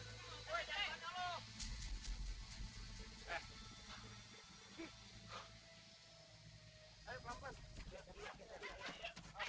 si ujang minjem motor orang kali tak